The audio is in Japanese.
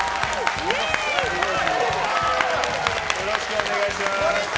よろしくお願いします。